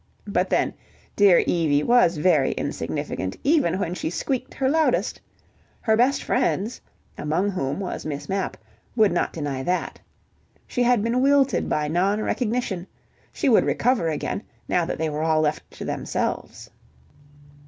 But then, dear Evie was very insignificant even when she squeaked her loudest. Her best friends, among whom was Miss Mapp, would not deny that. She had been wilted by non recognition; she would recover again, now that they were all left to themselves.